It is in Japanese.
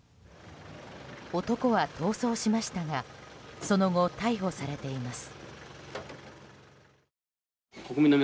男は逃走しましたがその後、逮捕されています。